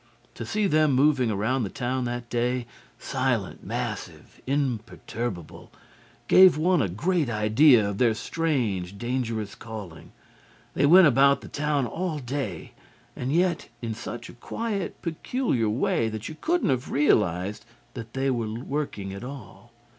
To see them moving round the town that day silent, massive, imperturbable gave one a great idea of their strange, dangerous calling. They went about the town all day and yet in such a quiet peculiar way that you couldn't have realized that they were working at all.